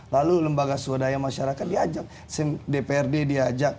lalu lembaga swadaya masyarakat diajak dprd diajak